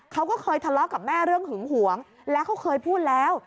เขาก็เคยทะเลาะกับแม่เรื่องหึงหวงแล้วเขาเคยพูดแล้ว